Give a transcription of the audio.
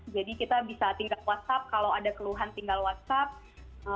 jadi kita bisa tinggal whatsapp kalau ada keluhan tinggal whatsapp